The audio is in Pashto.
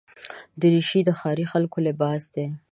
دریشي د ښاري خلکو لباس دی.